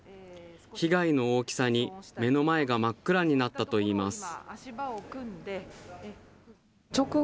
被害の大きさに目の前が真っ暗になったといいます。